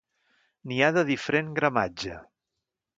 N'hi ha de diferent gramatge.